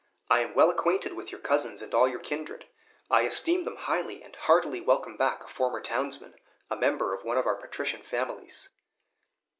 I am well acquainted with your cousins and all your kindred; I esteem them highly, and heartily welcome back a former townsman, a member of one of our patrician families."